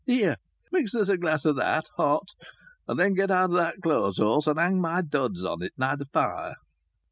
Here! Mix us a glass o' that, hot. And then get out that clothes horse and hang my duds on it nigh th' fire."